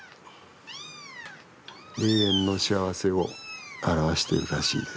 永遠の幸せを表してるらしいです。